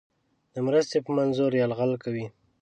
د مرستې په منظور یرغل کوي.